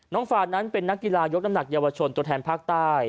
ฟานนั้นเป็นนักกีฬายกน้ำหนักเยาวชนตัวแทนภาคใต้